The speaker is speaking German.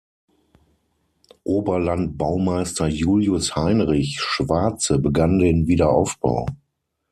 Oberlandbaumeister Julius Heinrich Schwarze begann den Wiederaufbau.